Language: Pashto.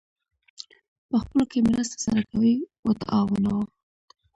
پخپلو کې مرسته سره کوئ : وتعاونوا